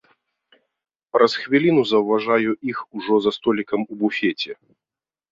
Праз хвіліну заўважаю іх ужо за столікам у буфеце.